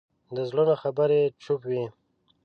د زړونو خبرې چوپ وي